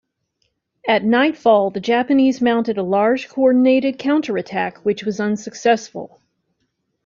At nightfall the Japanese mounted a large, coordinated counterattack which was unsuccessful.